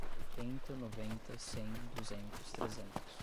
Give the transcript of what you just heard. Oitenta, noventa, cem, duzentos, trezentos